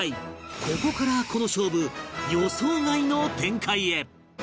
ここからこの勝負予想外の展開へ